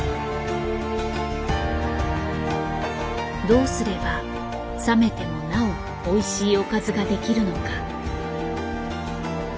どうすれば冷めてもなおおいしいおかずができるのか。